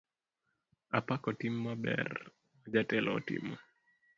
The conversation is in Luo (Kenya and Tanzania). Apako tim maber ma jatelo otimo.